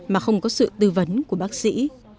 mà không có sự tư vấn của bác sĩ